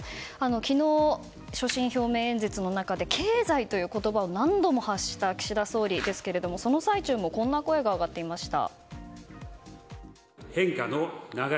昨日、所信表明演説の中で経済という言葉を何度も発した岸田総理ですがその最中もこんな声が上がっていました。